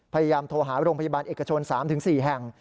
พยายามโทรหาโรงพยาบาลเอกชน๓๔แห่ง